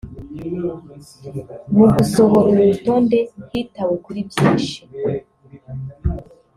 Mu gusohora uru rutonde hitawe kuri byinshi